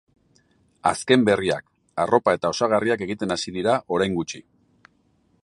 Azken berriak, arropa eta osagarriak egiten hasi dira orain gutxi.